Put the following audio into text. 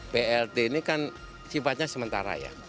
plt ini kan sifatnya sementara ya